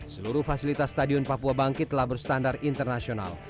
seluruh fasilitas stadion papua bangkit telah berstandar internasional